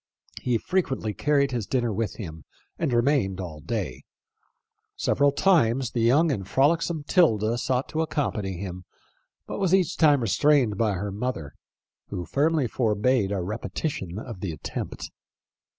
He frequently carried his dinner with him, and remained all day. Several times the young and frolicsome 'Tilda sought to accompany him, but was each time restrained by her mother, who firmly forbade a repetition of the attempt.